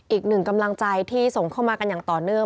อีกหนึ่งกำลังใจที่ส่งเข้ามากันอย่างต่อเนื่อง